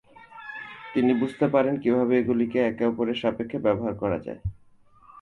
তিনি বুঝতে পারেন কীভাবে এগুলিকে একে অপরের সাপেক্ষে ব্যবহার করা যায়।